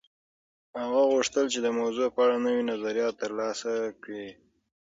هغه غوښتل چي د موضوع په اړه نوي نظریات ترلاسه کړي.